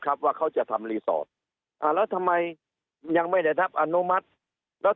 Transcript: ว่าเขาจะทำรีสอร์ทอ่าแล้วทำไมยังไม่ได้รับอนุมัติแล้ว